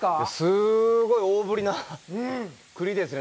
すごい大ぶりな栗ですね。